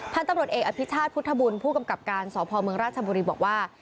พันธุ์ตำรวจเอกอภิชาติพุทธบุญผู้กำกับการสพเมืองราชบุรีบอกว่า